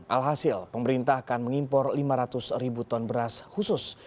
alhasil pemerintah akan mengimpor lima ratus ribu ton beras khusus